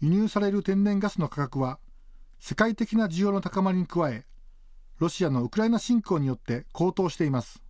輸入される天然ガスの価格は世界的な需要の高まりに加えロシアのウクライナ侵攻によって高騰しています。